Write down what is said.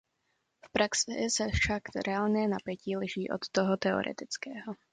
V praxi se však reálné napětí liší od toho teoretického.